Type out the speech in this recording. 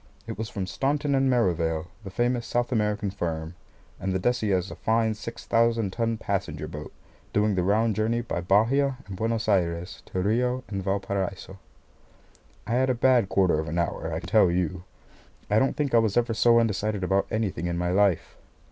It was from Staunton & Merivale, the famous South American firm, and the Decia is a fine 6000 ton passenger boat, doing the round journey by Bahia and Buenos Ayres to Rio and Valparaiso. I had a bad quarter of an hour, I can tell you. I don't think I was ever so undecided about anything in my life.